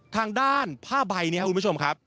ทางด้านผ้าใบนี้ครับคุณผู้ชมครับ